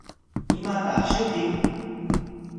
¿Imataq shutin?